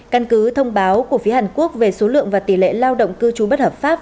căn cứ thông báo của phía hàn quốc về số lượng và tỷ lệ lao động cư trú bất hợp pháp